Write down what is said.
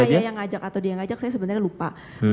saya yang ngajak atau dia yang ngajak saya sebenarnya lupa